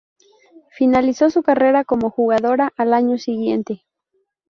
Finalizó su carrera como jugadora al año siguiente.